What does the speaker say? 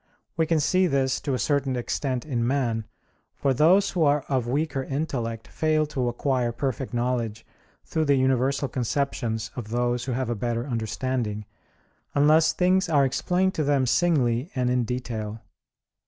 We can see this to a certain extent in man, for those who are of weaker intellect fail to acquire perfect knowledge through the universal conceptions of those who have a better understanding, unless things are explained to them singly and in detail.